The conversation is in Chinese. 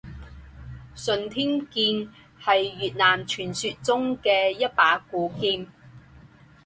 顺天剑是越南传说中的一把古剑。